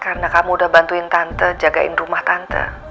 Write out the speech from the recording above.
karena kamu udah bantuin tante jagain rumah tante